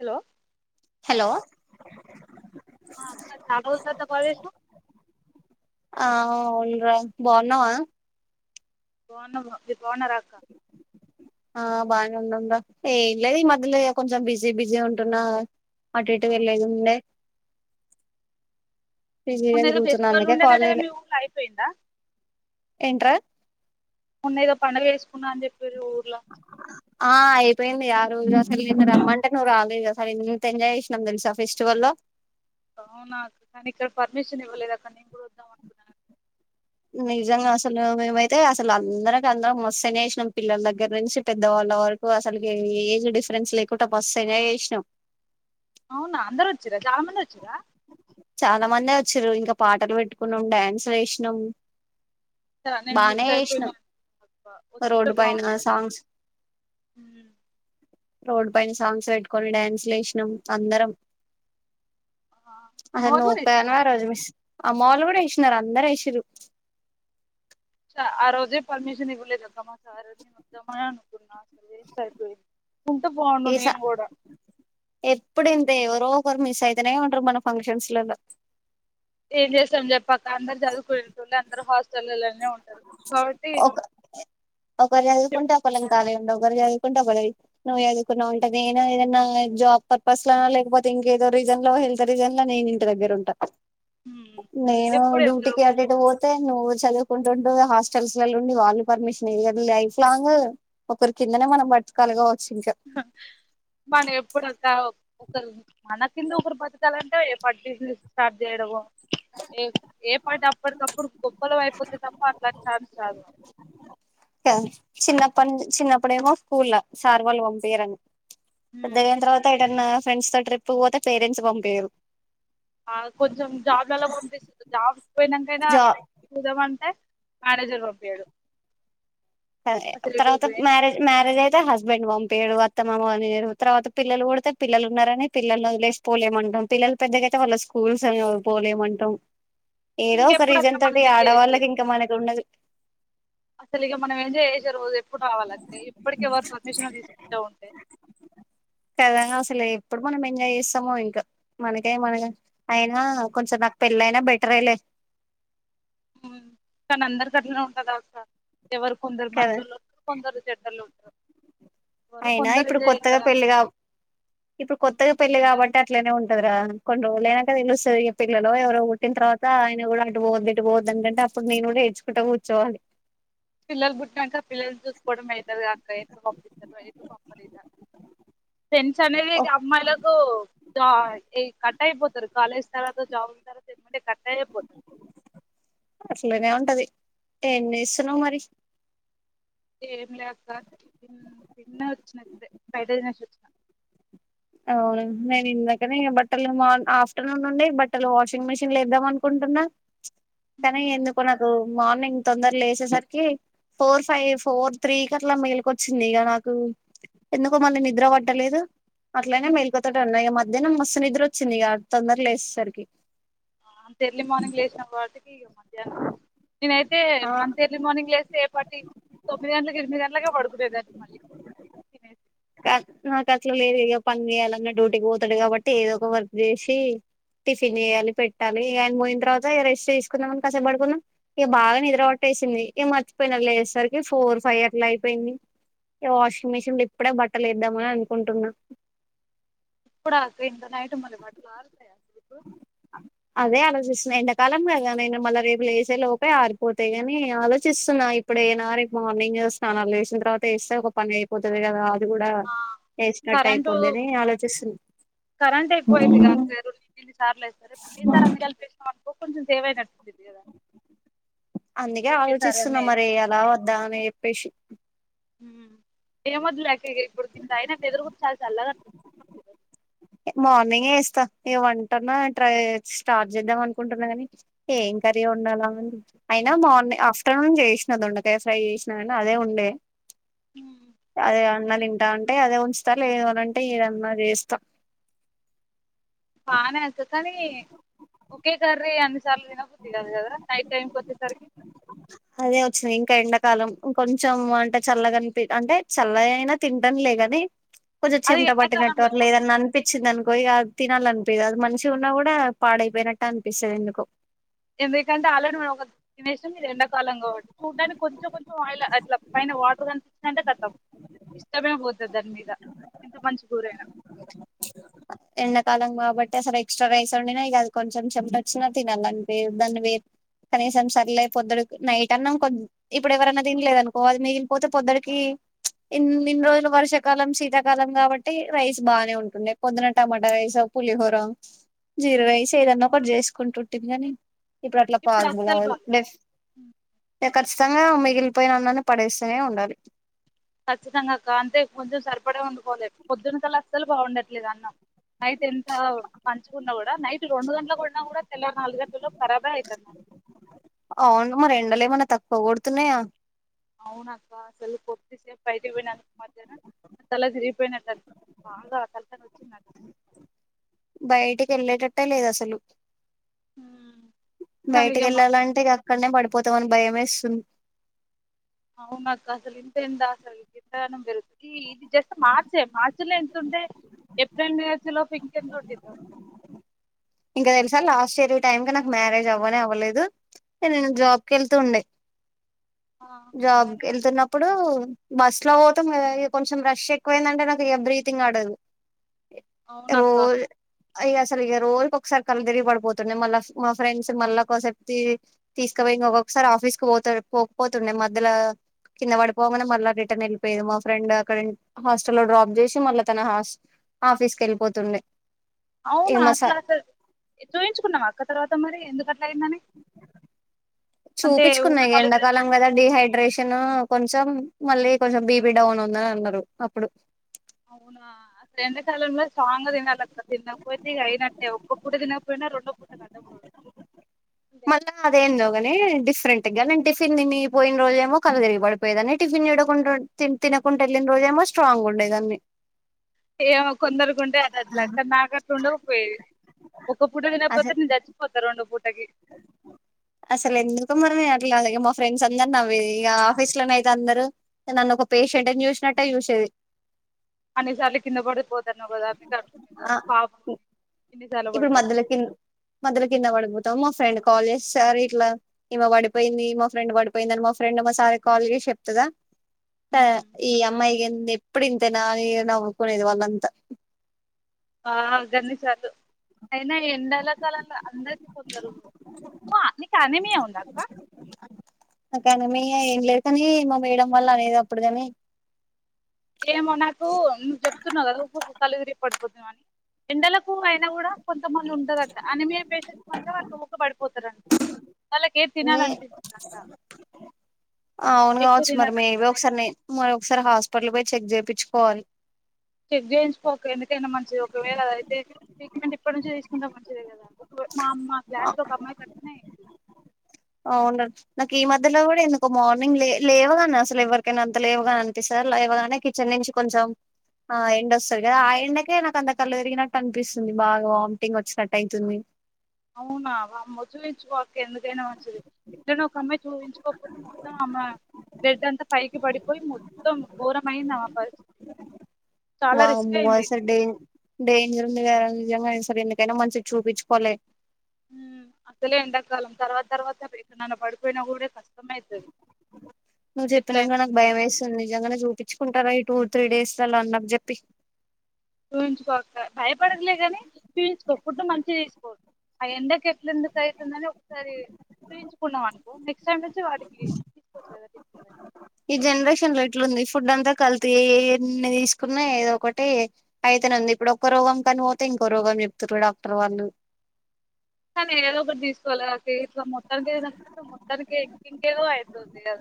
Hello hello చాలరోజులతరువాత call చేసినవ్ మాములుగా బాగున్నవ బావున్నావా బావున్నారా అక్క ఆ బాగానే ఉన్నాం రా ఏం లేదు ఈ మధ్యలో కొంచెం బిజీ బిజీ ఉంటున్నా అటిటు అవును వెళ్లేది ఉండే బిజీగా మలో తిరుగుతున్నా ఫెస్టివల్ అందుకే ఉండే నటగా మీ ఊళ్ళో అయిపోయిందా ఎంట్రా మోన్న ఏదో పండుగ చేసుకున్నా అని చెప్పిరు ఊర్లో ఆ అయిపోయింది ఆరోజు అసలు రమ్మంటే నువ్వు రాలెదు అసల ఎంత ఎంజాయ్ చేసినాం తెలుసా ఫెస్టివల్లో అవునా కానీ ఇక్కడ పర్మిషన్ ఇవ్వలేదు అక్క నేను కూడా వద్దాం అనుకున్నాను నిజంగా అసలు మేమైతే అసలు అందరిక అందరం మస్త్ ఎంజాయ్ చేసినాం పిల్లల దగ్గర నుంచి పెద్ద వాళ్ళ వరకు అసలుకి ఏజ్ డిఫరెన్స్ లేకుండా మస్త్ ఎంజయ్ చేసినాం అవునా అందరు వచ్చార చాలా మంది వచ్చరా చాలా మంది వచ్చిరు ఇంకా పాటలు పెట్టుకున్నాం డ్యాన్సు వేసినాం నేను బానే మిస్ అయిపోయిన చేసినాం వచ్చుంటే రోడ్డు పైన బాగుండేది సాంగ్స్ రోడ్ పైన సాంగ్స్ పెట్టుకొని డ్యాన్స్ లెసినాం అందరం ఆ అమ్మ హా వాళ్ళు నువ్వు కూడా పోయిన వేసిర్రా రాజు మీస్ అమ్మ వాళ్ళు గుడా వేసినారు అందరు వేసిరు ఆ రోజే పర్మిషన్ ఇవ్వలేదక్కమాకు ఆరోజే వద్దామా అనుకున్నా వెస్ట్ ఐపోయింది ఈస ఎప్పుడుంతే ఎవరో రు మిస్ అయితనే ఉంటరు మన ఫంక్షన్స్లలో ఏం చేస్తాం చెప్ పక్క అందరు చదుకునే అందరు హస్టల్ ఒక ఒకరు చదువుకుంటే ఒకలాం కాలీ ఉండం ఒకరు చదువుకుంటా ఒకరు నువ్వు చదువుకున్నావు ఉంటే నేను ఏదైనా జాబ్ పర్పస్ లోన లేకపోతే ఇంకేదో రీజన్ లో హెల్త్ రీజన్ లో నేను ఇంటి దగ్గర ఉంటా నేను ఎప్పుడు ఎవరు డ్యూటీకి అటు ఇటు నువ్వు చదువు హాస్టల్స్ ఉండి వాళ్ళు పర్మిషన్ ఇయర్ లైఫ్ లాంగ్ ఒకరి కిందనే మనం బతకాలే గావ మనం ఎప్పుడంతా మన కింద ఒకరు బతకాలంటే ఏ పట్ బిజినెస్ స్టార్ట్ చేయడమో ఏ పాట అప్పటికప్పుడు గొప్పోళ్ళం అయిపోతే తప్ప అట్లాంటి స చిన్న పని చిన్నప్పుడేమో స్కూల్ సార్ వాళ్లు పంపియ్యరు అని పెద్దగైన తర్వాత ఏంటన్న ఫ్రెండ్స్ తో ట్రిప్పుకు పోతే పేరెంట్స్ పంపియరు ఆ కొంచెం జాబ్ అలా పంపిస్తే జాబ్ పోయినాకైనా జా చూదామంటే మేనేజర్ పంపియ్యడు తర్వాత మ్యారేజ్ మ్యారేజ్ అయితే హస్బెండ్ పంపియడు అత్త మామ తర్వాత పిల్లలు పుడితే పిల్లలు ఉన్నారని పిల్లల్ని వదిలేసి పోలేమంటాం పిల్లలు పెద్దగా అయితే వాళ్ళ స్కూల్స్ అని పోలేమంటాం ఏదో ఒక ఇంకెప్పుడు అక్క రీజన్ మనం తోటి ఈ ఎంజాయ్ చేసేది ఆడవాళ్ళకి ఇంకా మనకి ఉన్నది అసలు ఇక మనం ఎంజాయ్ చేసే రోజు ఎప్పుడు రావాలండి ఎప్పటికే వాళ్ల పర్మిషన్ తీసుకుంట ఉంటే కదా అసలు ఎప్పుడు మనం ఎంజాయ్ చేస్తామో ఇంకా మనకే మన అయినా కొంచెం నాకు పెళ్ళ అయినా బెటరే లే కానీ అందరికీ అట్లనే ఉంటదా అక్క ఎవరు కొందరు కదా మంచోళ్ళు కొందరు చెడ్డోళ్ళు ఉంటారు ఎవరో అయినా కొందరు ఇప్పుడు ఎంజాయ్ కొత్తగా చేస్తారు పెళ్లి కా ఇప్పుడు కొత్తగా పెళ్లి కాబట్టి అట్లనే ఉంటదిరా కొన్ని రోజులు అయినాక తెలుస్తుంది ఈ పిల్లలో ఎవరో పుట్టిన తర్వాత ఆయన కూడా అటు పోవద్దు ఇటు పోవద్దని అంటంటే అప్పుడు నేను కూడా ఎడ్చుకుంటే కూర్చోవాలి పిల్లలు పుట్టినంక పిల్లలు చూసుకోవడం అయితది గా అక్క ఎత్తుకో పంపలేదా ఫ్రెండ్స్ అనేది అమ్మాయిలకు కట్ అయిపోతారు కాలేజ్ తర్వాత జాబ్ తర్వాత అయిపోతారు అట్లనే ఉంటది ఏం చేస్తున్నావ్ మరి ఏం లే అక్క తిన్న వచ్చిన ఇప్పుడే ఫ్రైడ్ రైస్ అవును నేను ఇందకని బట్టలు మార్ ఆఫ్టర్నూన్ నుండి బట్టలు వాషింగ్ మెషిన్ల వేద్దామనుకుంటున్న కానీ ఎందుకు నాకు మార్నింగ్ తొందర లేచేసరికి ఫోర్ ఫైవ్ ఫోర్ త్రీకి అట్లా మేలుకొచ్చింది ఇగ నాకు ఎందుకో మళ్ళీ నిద్ర పడ్డలేదు అట్లనే మెలికతోటే ఉన్నా ద్యానం మస్తు నిద్రొచ్చింది గా తొందర లేస్ సరికి అంత ఎర్లీ మార్నింగ్ లేేసే వాటి ఇయ్యో నేనై తే ఆ అంతెర్లీ మార్నింగ్ లేస్తేపాటి తొమ్మిది గంటలకి ఎనిమిది గన్ ట్లాగే పడుకునేదాన్ని మళ్ళీ తినేసి క నాకు అట్లా లేదు ఇగ పని చెయ్యాలి అన్న డ్యూటీకి పోతాడు కాబట్టి ఏదో ఒక వర్క్ చేసి టిఫిన్ జేయాలి పెట్టాలి ఆయన పోయిన తర్వాత రెస్ట్ చేసుకుందామని కష్టపడుకున్నాం ఇక బాగా నిద్ర పట్టేసింది ఏ మర్చిపోయినా లేేసేసరికి ఫోర్ ఫైవ్ అట్లా అయిపోయింది ఇక వాషింగ్ మెషిన్ తిప్ ఇప్పుడే బట్టలేద్దామని అనుకుంటున్నా ఇప్పుడాక్క ఇంత నైటు మరి బట్టలు ఆరుతయ అదే ఆలోచిస్తున్నా ఎండాకాలంగా నేను మళ్ళా రేపు లేసే లోపే ఆరిపోతాయి గాని ఆలోచిస్తున్నా ఇప్పుడేనా రేపు మార్నింగ్ స్నానాలు చేసిన తర్వాత వేస్తే ఒక పని అయిపోతది గదా. ఇది కూడా ఆ వేసినట్ కరెంటు అయిపోద్ది అని ఆలోచిస్తున్నా ఇన్నిసార్లేసినా ఈ సార్ ఎందుకు కలిపేసినావ్ ఒకొంచెం సేవ్ అయినట్టుంటుంది కదా అందుకే ఒకేసారి అన్ని ఆలోచిస్తున్నా మరి వేయకుండా వేయాలా వద్దా అని చెప్పేసి ఏమొద్దులేక్క ఇప్పుడు కిందఅయిన వెదురు కూడా చాలా చల్లగా అనిపిస్తుందిలే మార్నింగే వేస్తా ఇగ వంటన్నా ట్రై స్టార్ట్ చేద్దాం అనుకుంటున్నా కానీ ఏం కర్రీయొవొండాలొ అని అయినా మార్ని ఆఫ్టర్నూన్ చేసిన దొండకాయ ఫ్రై చేసినా కానీ అదే ఉండే, అదే అన్న తింటా అంటే అదే ఉంచు సరేలే ఏదో అది అనంటే ఏదన్నా చేస్తా బానే అయితే కానీ ఒకే కర్రీ అన్నిసార్లు తినబుద్ది కాదు కదా నైట్ టైమ్ కి వచ్చేసరికి, అదే వచ్చింది ఇంకా ఎండాకాలం ఇంకొంచెం అంటే చల్లగ అనిపి అంటే చల్లగా అయినా తింటాంలేగాని. కొంచెం అది చెమట పట్టినట్టు అట్ల ఎండాకాలంలో ఏదన్న అనిపించ్చింది అనుకో పోయిగా తినాలనిపియదు అది మంచిగున్నా కూడా పాడైపోయినట్టు అనిపిస్తది ఎందుకో, మీరు ఎండాకాలం కాబట్టి చూడ్డానికి కొంచెం కొంచెం ఆయిల్ అట్లా పైన వాటర్ కనిపించిందంటే కతం ఇష్టమే పోతుంది దాని మీద ఎంత మంచిగూరైనా. ఎండాకాలం కాబట్టి అసలు ఎక్స్ట్రా రైస్ వండిన ఇగి అది కొంచెం చెమటొచ్చిన తిననంతే దాన్ని వేప్ కనీసం సర్లే పొద్దుడుకి నైట్ అన్నం కొద్ది ఇప్పుడు ఎవరన్నా తినలేదు అనుకో అది మిగిలిపోతే పొద్దడికి ప్చ్ ఇన్ని రోజులు వర్షాకాలం శీతాకాలం కాబట్టి, రైస్ బానే ఉంటుండే పొద్దున టొమోటో రైసో పులిహోరో జీరా ఉమ్. రైస్ ఏదన్నా ఒకటి జేస్ కుంటుంటిం గాని ఇప్పుడు అట్లా పాసిబుల్ అస్సలు అవ్వదు బాగాలేదు డెఫ్ టేకర్స్ సంగా మిగిలిపోయిన అన్నాన్ని పడేస్తూనే ఉండాలి ఖచ్చితంగా కా అంతే ముందు సరిపడే ఓండుకోలే పొద్దున్న కల్లా అస్సలు బావుండట్లేదు అన్నం నైట్ ఎంత మంచిగున్నా కూడా నైట్ రెండు గంటలుకు వండినా కూడా తెల్లవారు నాలుగు గంటల్లోపు ఖరాబే ఐతుందన్ పోగొడుతున్నాయా అవునక్కా అసలు కొద్దిసేపు బైటికి పోయినాను [inaudible] తల తిరిగిపోయినట్టు అనిపిచ్చింది బాగా తలకాయ్ నొచ్చిందట బయటికి వెళ్ళేటట్టే లేదు అసలు ఉమ్. కానీ బయటికి ఇక మనం వెళ్ళాలంటే ఇక అక్కడనే పడిపోతామని భయమేస్తుంది అవును అక్క అసలు ఇంత ఎండ గిందగానం ఈ ఇది జస్ట్ మార్చే మార్చల ఇంత ఉంటే ఏప్రిల్ మే వచ్చే లోపు ఇంకెంత ఉండిద్దో ఇంకా తెలుసా లాస్ట్ ఇయర్ టైం కు నాకు మ్యారేజ్ అవ్వనే అవ్వలేదు నేను ఉమ్, జాబ్ కి వెళ్తూ ఉండే ఆ జాబ్ వెళ్తున్నప్ ఇప్పుడు బస్ లో పోతం కొంచెం రష్ ఎక్కువైందంటే నాకు బ్రీతింగ్ ఆడదు అవును అక్క ఇగ అసలు రోజు ఒక ఒకసారి కళ్ళు తిరిగి పడిపోతుండే మళ్ళా మా ఫ్రెండ్స్ మళ్ళా కోసేపు తీసుకుపోయి ఒక్కొక్కసారి ఆఫీస్ కు పో పోకపోతుండే మధ్యలో కింద పడిపోవమనే మళ్ళా రిటర్న్ వెళ్ళిపోయదు మా ఫ్రెండ్ అక్కడ హాస్టల్ లో డ్రాప్ చేసి మళ్ళా తన హస్ ఆఫీస్ క వెళ్ళిపోతుండే అవునా ఇక మా అట్లా చుయించుకున్నావ అక్క తర్వాత మరి ఎందుకట్లా అయిందో చూపించుకున్నా ఊకే ఇగ కళ్ళు తిరిగి ఎండాకాలం పడిపో కదా డిహైడ్రేషన్ తీన్న కొంచెం మళ్ళీ కొంచెం బీపి డౌన్ ఉందని అన్నారు అప్పుడు అవునా అసలు ఎండాకాలంలో స్ట్రాంగ్ తినాలి అక్క తినకపోతే అయినట్టే ఒక్క పూట తినకపోయినా రెండో పూట కట్టకూడదు అంతే మళ్ళా అదేందొ గనే డిఫరెంట్ [unintelligible] టిఫిన్ తనిపోయిన రోజుమో కలదిరిగి పడిపోయేదాన్ని టిఫిన్ తినకుంటడా వెళ్లిన రోజేమో స్ట్రాంగ్ ఉండేదాన్ని ఏమో కొందరుకుంటే అది అట్లా కానీ నాకట్లా ఉండపో ఒకపూట లేకపోతే అసలు నేను చచ్చిపోతారు రెండ పు అసలు ఎందుకు మమే అలాగే మా ఫ్రెండ్స్ అందరు నవ్వే ఇగ ఆఫీస్ లోనే అయితే అందరు నన్ను ఒక పేషెంట్ని చూసినట్టే చూసేది అన్నిసార్లు కింద పడిపోతున్నవ్ కదా అందుకు అనుకునేది ఆ పాపం ఇన్నిసార్లు ఇప్పుడు పడిపోతు మధ్యలో కింద మధ్య కింద పడుపోతావ్ మా ఫ్రెండ్ కాల్ చేస్తే సారు ఇట్లా ఇమె పడిపోయింది మా ఫ్రెండ్ పడిపోయింది అని మా ఫ్రెండ్ మా సారి కాల్ చేసి చెప్తుదా ఈ అమ్మాయికి ఎప్పుడు ఇంతేనా అని నవ్వుకునేది వాళ్ళంతా ఆ గన్ని సార్లు అయినా ఎండలకాలం ల అందరికీ కొందరు నీకు అనీమియా ఉందా అక్క నాకు ఆనమీ ఏం లేదు కానీ మా మేడం వాల్లు అనేది అప్పుడు కాని ఏమో నాకు నువ్వు చెప్తున్నావు కదా కళ్ళు తిరిగి పడిపోతు ఎండలకు అయినా కూడా కొంతమంది ఉంటుదంట అనిమయ పేషెంట్స్ మాత్రం వాళ్ళు ఊక పడిపోతారంట వాళ్ళకేమ్ తినాలన్ పిస్ [unintelligible] దంట అవును కావచ్చు మరి మేబో ఒకసారి నేన్ మా ఒకసారి హాస్పిటల్ పోయి చెక్ జెపిచుకోవాలి చెక్ చేయించుకోక్క ఎందుకైనా మంచిది ఒకవేళ అద్ అయితే ట్రీట్మెంట్ ఇప్పటి నుంచి తీసుకుంటా మంచిది కదా ఒక్ మా అమ్మ క్లాస్ లో ఒక అమ్మాయి కి అట్నే అయింది అవున నాకు ఈ మధ్యలో కూడా ఎందుకు మార్నింగ్ లే లేవగానే అసలు ఎవరికైనా అంత లేవుగానే అనిపిస్త అల్లా లేవగానే కిచెన్ నుంచి కొంచెం ఆ ఎండొస్తది కదా ఆ ఎండకే నాకు అంత కళ్ళలు తరిగినట్టు అనిపిస్తుంది బాగా వాంటింగ్ వచ్చినట్టు అయితుంది అవునా వామ్మో చూయించుకో అక్క ఎందుకైనా మంచిది ఇటనే ఒక అమ్మాయి చూయించుకోపోతే మొత్తం ఆమె బ్లెండ్ అంతా పైకి పడిపోయి మొత్తం ఘోరమయింది ఆమె పరిస్థితి చాలా రిస్క్ వామ్మో అయింది అసల్ డేం డెంజర్ ఉందిగదరా నిజంగనే మర్ ఎందుకైనా మంచిది చూపించుకోలే హ్మ్ అసలే ఎండాకాలం తర్వాత తర్వాత ఎక్కడైనా పడిపోయినా కూడా కష్టం నువ్వు ఎట్లయినా చెప్పినంగ నాక్ భయ వే తరై టూ త్రీ డేస్ అలా అన్నాకు చెప్పి చూయించుకో అక్క భయపడక్ లే గాని చూయించుకో ఫుడ్ మంచిగా తీసుకో ఆ ఎండకు ఇట్ల ఎందుకు అవుతుందని ఒకసారి చూయించుకున్నావ్ అనుకో నెక్స్ సెమించు వాటికి తీసుకోవచ్చు కదా తిని [unintelligible] అట్లుంది ఫుడ్ అంతా కల్తీ ఏ ఏ ఏ ఎన్ని తీసుకున్న ఏదో ఒకటి అయితేనే ఉంది ఇప్పుడు ఒక్క రోగం కని పోతే ఇంకో రోగం చెప్తుారు డాక్టర్ వాళ్ళు కానీ ఏదో ఒకటి తీసుకోవాలి కద అక్క ఇట్లా మొత్తానిక్ తినక్ పోతే మొత్తానికే ఇం ఎదో అయితది కద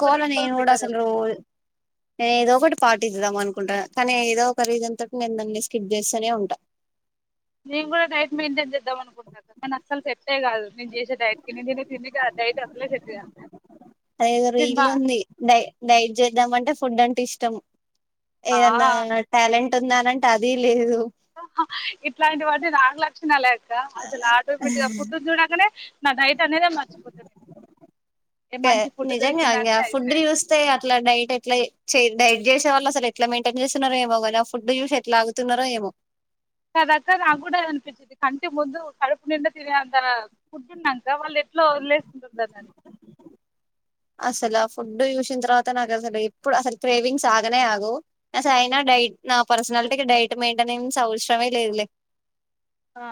ఒకటి తీసుకోవడం నేను కూడా బెటర్ అసలు రో ఏదో ఒకటి పడ్ ఇద్దాం అనుకుంట కానీ ఏదో ఒక రీజన్ తోట్ నేను దాన్ని స్కిప్ చేస్తూనే ఉంటా నేను కూడా డైట్ మెయింటేన్ చేద్దాం అనుకుంటున అక్క కానీ అస్సలు సే అంతే కాదు నేను చేసే డైట్ అద్ ఎదో నేను బా రీల్ ఫుడ్ అంటే ఇష్టం ఆ ఏదన్నా ట్యాలెంట్ టున్న నంటే అది లేదు ఆ హ ఇట్లాంటి వన్ని నాలుగు లక్షణాలే అక్క క అసల్ ఆటోమేటి పుట్ చూడంగనే ఏ ట్యా మంచి ఫుడ్ నిజంగా ఇంగ దొరికిందంటే ఆ ఫుడుని అయిపోయా చూస్తే అట్లా డైట్ ఎట్లా చే డైట్ చేసేవాళ్ళు అసలు ఎట్లా మెయింటైన్ చేస్తున్నారో ఏమో కానీ ఆ ఫుడ్ చూసి ఎట్లా ఆగుతున్నారో ఏమో కదక్క నా కూడా అది అనిపిచిది కంటి ముందు కడుపు నిం ఫుడ్డున్ నంక వాళ్ళు ఎట్లో అసలు ఆ ఫుడ్ చూసిన తర్వాత నాకు అసలు ఎప్పుడు అసలు క్రేవింగ్స్ ఆగానే ఆగవ్ అస్ అయినా డైట్ నా పర్సనాలిటీకి డైట్ మెయింటెనింగ్స్ అవ్ శ్రమే లేదులే ఆ